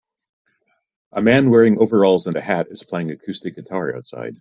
A man wearing overalls and a hat is playing acoustic guitar outside.